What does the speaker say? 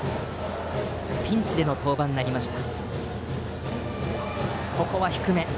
ピンチでの登板になりました。